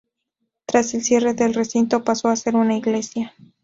Tras el cierre, el recinto pasó a ser una iglesia.